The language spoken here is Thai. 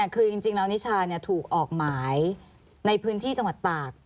คือจริงแล้วนิชาถูกออกหมายในพื้นที่จังหวัดตาก